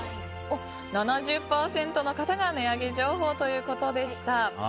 ７０％の方が値上げ情報ということでした。